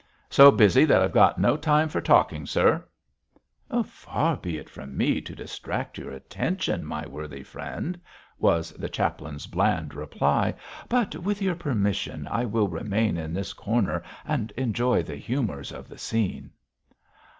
'So busy that I've got no time for talking, sir.' 'Far be it from me to distract your attention, my worthy friend,' was the chaplain's bland reply, 'but with your permission I will remain in this corner and enjoy the humours of the scene.'